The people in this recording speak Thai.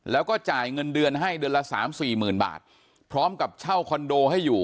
แล้วก็จ่ายเงินเดือนให้เดือนละสามสี่หมื่นบาทพร้อมกับเช่าคอนโดให้อยู่